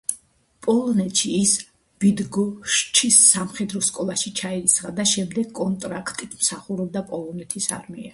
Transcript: პოლონეთში ის ბიდგოშჩის სამხედრო სკოლაში ჩაირიცხა და შემდეგ კონტრაქტით მსახურობდა პოლონეთის არმიაში.